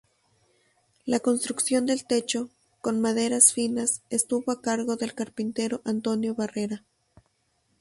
La construcción del techo, con maderas finas, estuvo a cargo del carpintero Antonio Barrera.